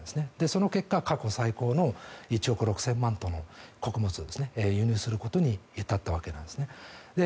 その結果過去最高の１億６０００万トンの穀物を輸入することに至ったわけです。